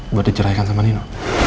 buat dicerahkan sama nino